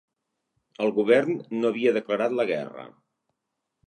El Govern no havia declarat la guerra